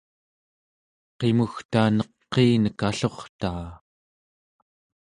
qimuga neqiinek allurtaa